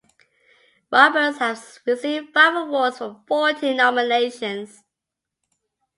Roberts has received five awards from fourteen nominations.